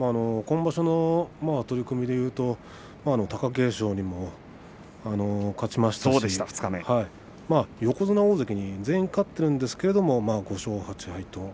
今場所の取組で言うと貴景勝にも勝ちましたし横綱、大関に全員勝ってるんですけれども５勝８敗。